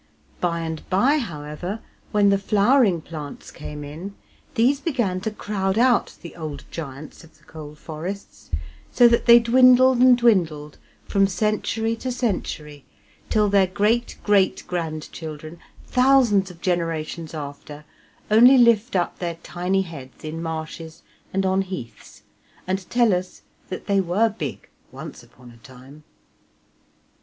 By and by, however, when the flowering plants came in, these began to crowd out the old giants of the coal forests, so that they dwindled and dwindled from century to century till their great great grandchildren, thousands of generations after, only lift up their tiny heads in marshes and on heaths, and tell us that they were big once upon a time.